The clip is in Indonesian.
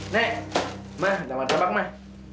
nek mah damar sabak mah